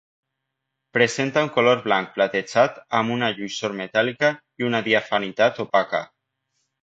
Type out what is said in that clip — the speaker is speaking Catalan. Presenta un color blanc platejat amb una lluïssor metàl·lica i una diafanitat opaca.